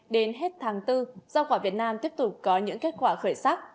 đến hết tháng bốn rau quả việt nam tiếp tục có những kết quả khởi sắc